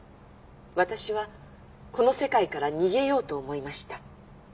私はこの世界から逃げようと思いました」